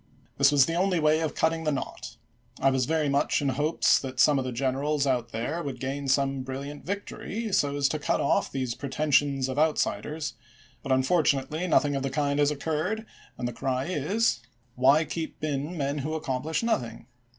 This was the only way of cutting the knot. .. I was very much in hopes that some of the generals out there would gain some brilliant victory, so as to cut off these pretensions of outsiders, but unfortunately nothing of the kind has occurred, and the cry is. 382 ABKAHAM LINCOLN ch. xvin. Why keep in men who accomplish nothing